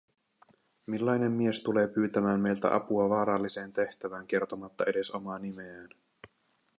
Millainen mies tulee pyytämään meiltä apua vaaralliseen tehtävään kertomatta edes omaa nimeään?